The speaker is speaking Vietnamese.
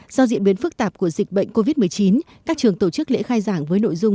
do diễn biến phức tạp của dịch bệnh covid một mươi chín các trường tổ chức lễ khai giảng với nội dung